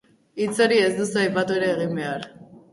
Hitz hori ez duzu aipatu ere egin behar.